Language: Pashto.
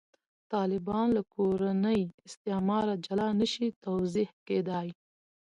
طالبان له «کورني استعماره» جلا نه شي توضیح کېدای.